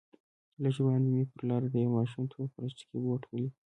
لږ وړاندې مې پر لاره د يوه ماشوم تور پلاستيكي بوټ وليد.